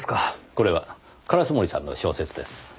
これは烏森さんの小説です。